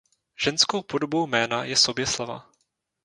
Ženskou podobou jména je Soběslava.